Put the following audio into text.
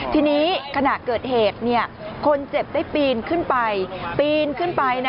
ทีนี้ขณะเกิดเหตุคนเจ็บได้ปีนขึ้นไปปีนขึ้นไป